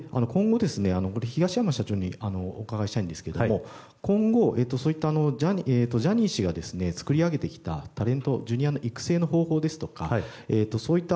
東山社長に伺いますが今後、そうしたジャニーが作り上げてきたタレント、Ｊｒ．の育成の方法ですとか、そういった